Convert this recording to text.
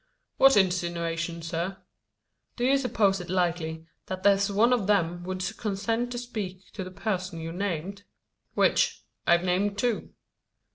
"What insinuation, sir?" "Do you suppose it likely that there's one of them would condescend to speak to the person you've named?" "Which? I've named two."